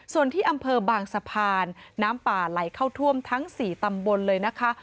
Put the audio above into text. ส่วนที่อำเภอบางสะพานน้ำป่าไหลเข้าท่วมทั้ง๔ตำบลเลยนะคะ